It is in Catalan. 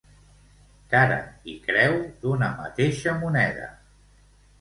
Cara i creu d'una mateixa moneda.